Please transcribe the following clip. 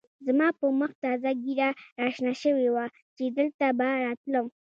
زما په مخ تازه ږېره را شنه شوې وه چې دلته به راتلم.